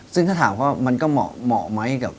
ซึ่งถ้าถามว่ามันก็เหมาะไหมกับ